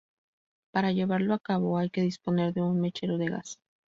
Para llevarlo a cabo hay que disponer de un mechero de gas.